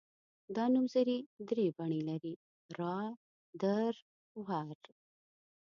دا نومځري درې بڼې لري را در ور.